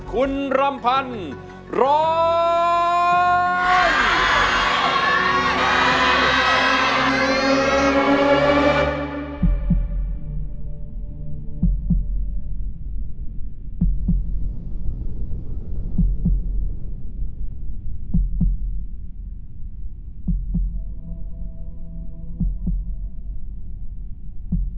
คุณรัมพันธ์ร้องได้